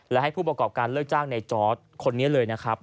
และให้ผู้ประกอบการเลิกจ้างในจอร์ดคนนี้เลยนะครับ